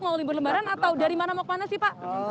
mau libur lebaran atau dari mana mau kemana sih pak